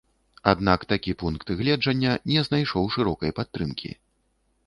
Аднак такі пункт гледжання не знайшоў шырокай падтрымкі.